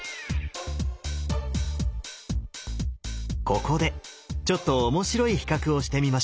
ここでちょっと面白い比較をしてみましょう。